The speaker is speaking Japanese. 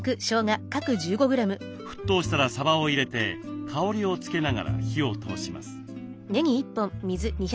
沸騰したらさばを入れて香りを付けながら火を通します。